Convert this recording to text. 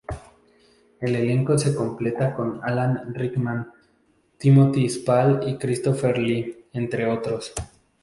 El elenco se completa con Alan Rickman, Timothy Spall y Christopher Lee, entre otros.